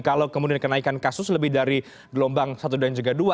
kalau kemudian kenaikan kasus lebih dari gelombang satu dan juga dua